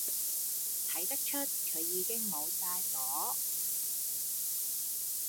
睇得出佢已經無晒火